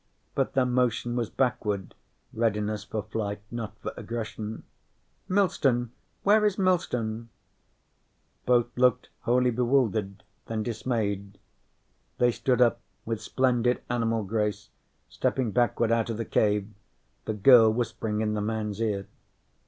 But their motion was backward, readiness for flight, not for aggression. "Millstone? Where is Millstone?" Both looked wholly bewildered, then dismayed. They stood up with splendid animal grace, stepping backward out of the cave, the girl whispering in the man's ear.